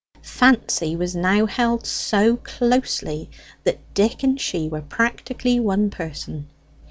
Fancy was now held so closely that Dick and she were practically one person.